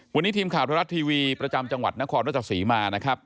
วันนี้ทีมข่าวไทยรัฐทีวีประจำจังหวัดนครราชสีมานะครับ